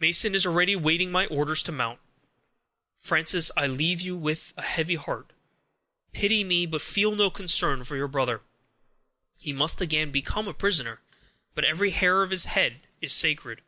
Mason is already waiting my orders to mount. Frances, I leave you with a heavy heart; pity me, but feel no concern for your brother; he must again become a prisoner, but every hair of his head is sacred."